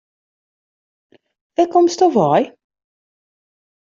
Wêr komsto wei?